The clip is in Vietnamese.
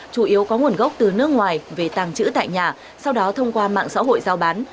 chủ yếu có nguồn gốc từ nước ngoài về tàng trữ tại nhà sau đó thông qua mạng xã hội giao bán